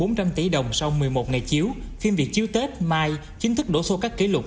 quả đạt doanh thu bốn trăm linh tỷ đồng sau một mươi một ngày chiếu phim việt chiếu tết mai chính thức đổ sô các kỷ lục